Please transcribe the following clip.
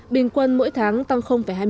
bình quân mỗi tháng tăng hai mươi một